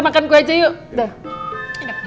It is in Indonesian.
makanya kita jalan jalan ma